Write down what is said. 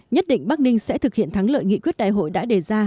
nhất định bắc ninh sẽ thực hiện thắng lợi nghị quyết đại hội đã đề ra